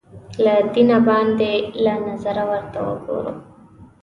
له دینه باندې له نظره ورته وګورو